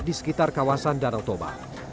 di sekitar kawasan danau toba